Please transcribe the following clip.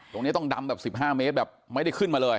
ตรงนี้ต้องดำแบบ๑๕เมตรแบบไม่ได้ขึ้นมาเลย